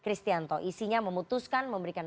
istianto isinya memutuskan memberikan